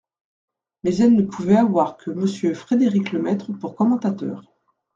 Mais elle ne pouvait avoir que Monsieur Frédérick-Lemaitre pour commentateur.